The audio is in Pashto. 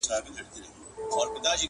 نجلۍ پر سر دي منګی مات سه٫